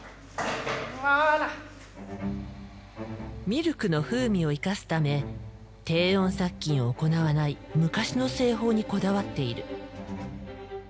ミルクの風味を生かすため低温殺菌を行わない昔の製法にこだわっている。